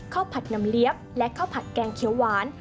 ผัดน้ำเลี้ยบและข้าวผัดแกงเขียวหวาน